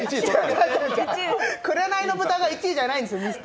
「紅の豚」が１位じゃないんですよ。